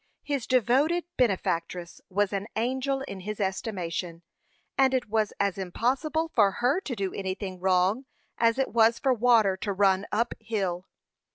His devoted benefactress was an angel in his estimation, and it was as impossible for her to do anything wrong as it was for water to run up hill.